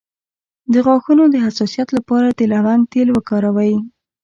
د غاښونو د حساسیت لپاره د لونګ تېل وکاروئ